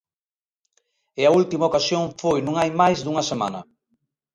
E a última ocasión foi non hai máis dunha semana.